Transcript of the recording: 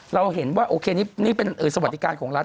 เราเห็นว่าโอเคนี่เป็นสวัสดิการของรัฐ